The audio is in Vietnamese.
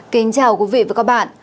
kính chào quý vị và các bạn